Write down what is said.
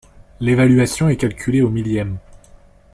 L'évaluation est calculée au millième.